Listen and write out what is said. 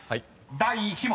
第１問］